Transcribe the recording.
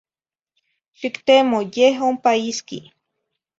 Xictemo, yeh ompa isqui